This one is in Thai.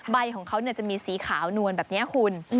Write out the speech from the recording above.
ใบของเขาจะมีสีขาวนวลแบบนี้คุณ